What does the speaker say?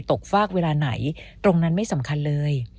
ฟากเวลาไหนตรงนั้นไม่สำคัญเลย